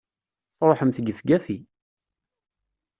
Truḥemt gefgafi!